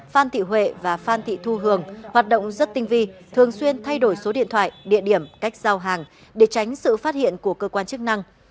phan thị huệ và phan thị thu hường hoạt động rất tinh vi thường xuyên thay đổi số điện thoại địa điểm cách giao hàng để tránh sự phát hiện của cơ quan chức năng